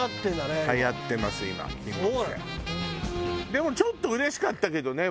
でもちょっとうれしかったけどね。